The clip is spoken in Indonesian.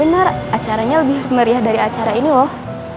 benar acaranya lebih meriah dari acara ini loh